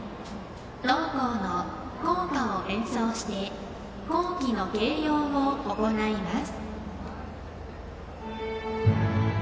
同校の校歌を演奏して校旗の掲揚を行います。